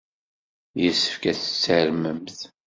Yessefk ad tarmemt.